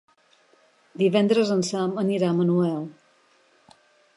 Divendres en Sam anirà a Manuel.